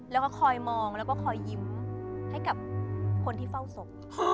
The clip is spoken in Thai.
แล้วก็คอยมองแล้วก็คอยยิ้มให้กับคนที่เฝ้าศพ